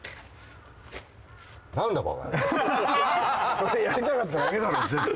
それやりたかっただけだろ絶対。